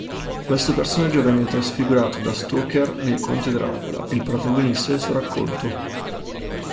Questo personaggio venne trasfigurato da Stoker nel Conte Dracula, il protagonista del suo racconto.